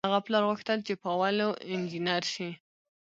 د هغه پلار غوښتل چې پاولو انجنیر شي.